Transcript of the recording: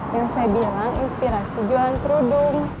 yang saya bilang inspirasi jualan kerudung